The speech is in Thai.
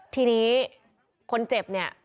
ทีนี้คนเจ็บเนี่ย